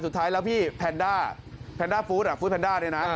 สุดท้ายแล้วพี่แพนด้าแพนด้าฟู้ดฟู้ดแนนด้าเนี่ยนะ